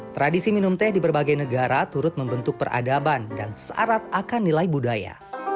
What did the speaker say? tradisi minum teh di berbagai negara turut membentuk peradaban dan syarat akan nilai budaya